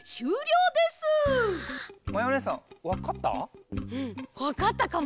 うんわかったかも。